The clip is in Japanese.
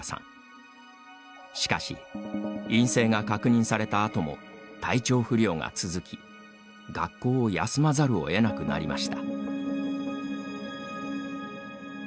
しかし、陰性が確認されたあとも体調不良が続き、学校を休まざるをえなくなりました。